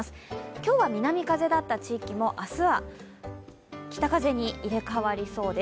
今日は南風だった地域も明日は北風に入れ替わりそうです。